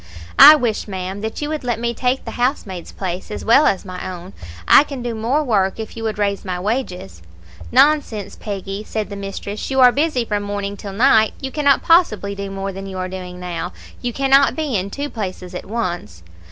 "'I wish, ma'am, that you would let me take the housemaid's place, as well as my own; I can do more work if you would raise my wages.' "'Nonsense, Peggy,' said the mistress, 'you are busy from morning till night; you cannot possibly do more than you are doing now. You cannot be in two places at once.'